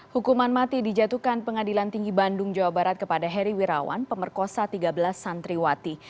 hukuman mati dijatuhkan pengadilan tinggi bandung jawa barat kepada heri wirawan pemerkosa tiga belas santriwati